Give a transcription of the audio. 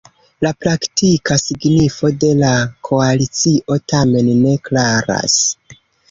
La praktika signifo de la koalicio tamen ne klaras.